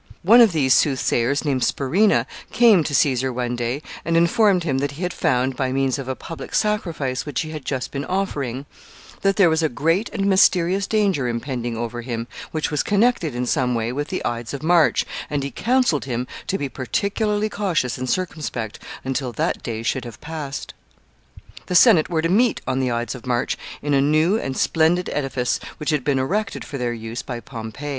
One of these soothsayers, named Spurinna, came to Caesar one day, and informed him that he had found, by means of a public sacrifice which he had just been offering, that there was a great and mysterious danger impending over him, which was connected in some way with the Ides of March, and he counseled him to be particularly cautious and circumspect until that day should have passed. [Sidenote: The hawks and the wren.] The Senate were to meet on the Ides of March in a new and splendid edifice, which had been erected for their use by Pompey.